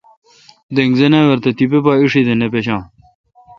دینگ زناور تہ تیپہ اݭی دا نہ پشان۔